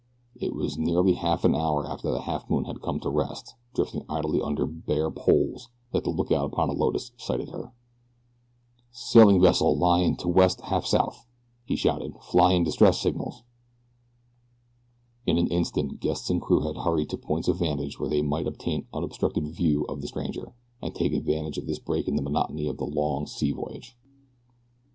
It was nearly half an hour after the Halfmoon had come to rest, drifting idly under bare poles, that the lookout upon the Lotus sighted her. "Sailin' vessel lyin' to, west half south," he shouted, "flyin' distress signals." In an instant guests and crew had hurried to points of vantage where they might obtain unobstructed view of the stranger, and take advantage of this break in the monotony of a long sea voyage.